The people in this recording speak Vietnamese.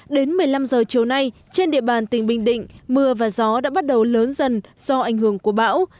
đến một mươi năm giờ chiều nay trên địa bàn tỉnh bình định mưa và gió đã bắt đầu lớn dần do ảnh hưởng của bão